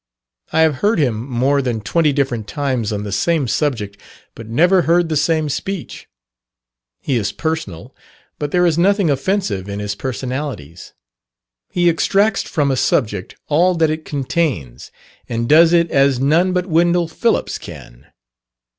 I have heard him more than twenty different times on the same subject, but never heard the same speech. He is personal, but there is nothing offensive in his personalities. He extracts from a subject all that it contains, and does it as none but Wendell Phillips can.